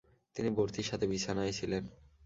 তিনি বর্তির সাথে বিছানায় ছিলেন।